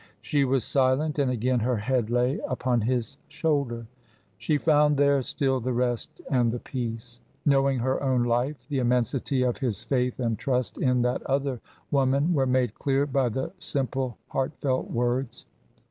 She was silent, and again her head lay upon his shoulder. She found there still the rest and the peace. Knowing her own life, the immensity of his faith and trust in that other woman were made clear by the simple, heartfelt words.